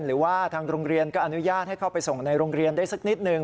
หรือว่าทางโรงเรียนก็อนุญาตให้เข้าไปส่งในโรงเรียนได้สักนิดหนึ่ง